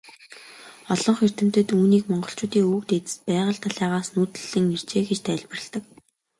Олонх эрдэмтэд үүнийг монголчуудын өвөг дээдэс Байгал далайгаас нүүдэллэн иржээ гэж тайлбарладаг.